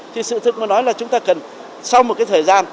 thì sự thực mà nói là chúng ta cần sau một cái thời gian